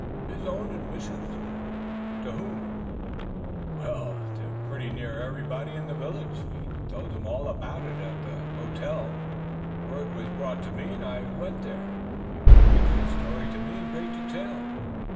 "His own admissions." "To whom?" "Pretty nearly every person in the village. He told them all about it at the hotel. Word was brought to me and I went there. He repeated his story to me in great detail."